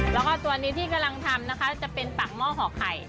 แล้วก็ตัวนี้ที่กำลังทำนะคะจะเป็นปากหม้อห่อไข่